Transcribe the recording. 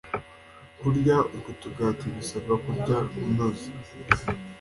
kurya utwo tugati bisaba kuturya unoza